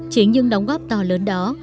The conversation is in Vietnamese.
chính những đóng góp to lớn đó